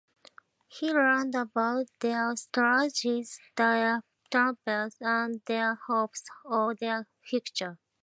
He learned about their struggles, their triumphs, and their hopes for the future.